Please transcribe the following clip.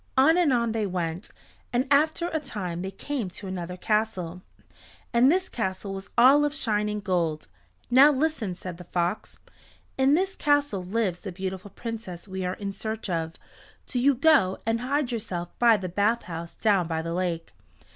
On and on they went, and after a time they came to another castle, and this castle was all of shining gold. "Now listen," said the fox. "In this castle lives the beautiful Princess we are in search of. Do you go and hide yourself by the bathhouse down by the lake.